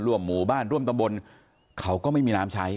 หมู่บ้านร่วมตำบลเขาก็ไม่มีน้ำใช้